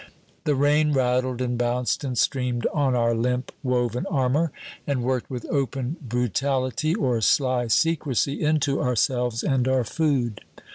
The rain rattled and bounced and streamed on our limp woven armor, and worked with open brutality or sly secrecy into ourselves and our food.